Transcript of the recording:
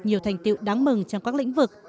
nhiều thành tiệu đáng mừng trong các lĩnh vực